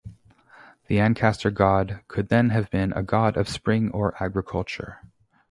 The Ancaster God could then have been a God of Spring or of Agriculture.